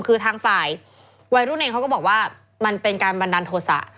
คือทางฝ่ายวัยรุ่นเองเขาก็บอกว่ามันเป็นการบันดาลโทษะ